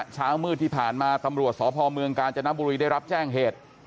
เช้ามืดที่ผ่านมาตำรวจสพเมืองกาญจนบุรีได้รับแจ้งเหตุ